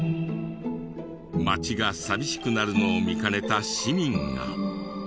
町が寂しくなるのを見かねた市民が。